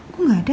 kok gak ada